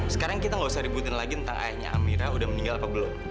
sekarang kita nggak usah ributin lagi tentang ayahnya amira udah meninggal apa belum